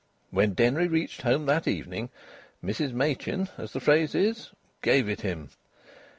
When Denry reached home that evening, Mrs Machin, as the phrase is, "gave it him."